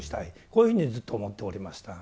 こういうふうにずっと思っておりました。